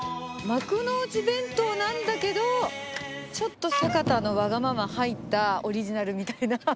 幕の内弁当なんだけど、ちょっと坂田のわがまま入ったオリジナルみたいな。